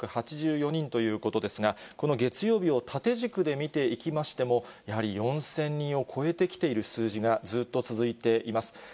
先週の月曜日は４３８４人ということですが、この月曜日を縦軸で見ていきましても、やはり４０００人を超えてきている数字がずっと続いています。